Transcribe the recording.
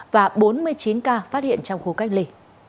và bốn mươi chín ca phát hiện trong khu cách ly